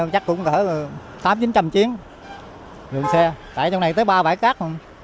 chắc cũng cả tám chín trăm linh chiếc đường xe tại trong này tới ba bãi cát